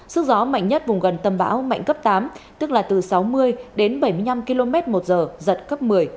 sức gió mạnh nhất vùng gần tâm bão mạnh cấp tám tức là từ sáu mươi đến bảy mươi năm km một giờ giật cấp một mươi